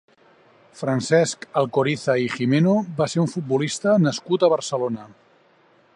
Francesc Alcoriza i Gimeno va ser un futbolista nascut a Barcelona.